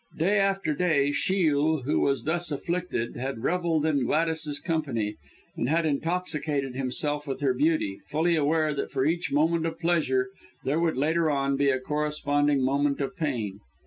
Day after day Shiel, who was thus afflicted, had revelled in Gladys's company, and had intoxicated himself with her beauty, fully aware that for each moment of pleasure there would, later on, be a corresponding moment of pain.